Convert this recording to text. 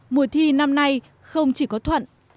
mùa thi năm nay không chỉ có thuận